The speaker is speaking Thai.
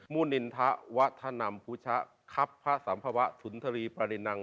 มุนิณทะวะทะนำพุชะคับพระสัมภวะสุนธรีปรินัง